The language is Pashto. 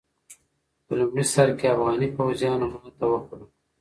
په لومړي سر کې افغاني پوځيانو ماته وخوړه.